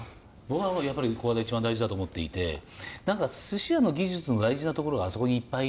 僕はやっぱりコハダ一番大事だと思っていて何か鮨屋の技術の大事なところがあそこにいっぱい